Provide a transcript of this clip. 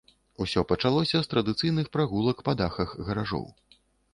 Усё пачалося з традыцыйных прагулак па дахах гаражоў.